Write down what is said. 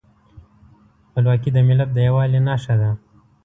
خپلواکي د ملت د یووالي نښه ده.